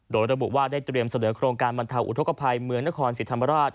โดยระบุว่าได้เตรียมเสนอโครงการบรรเทาอุทธกภัยเมืองนครศรีธรรมราช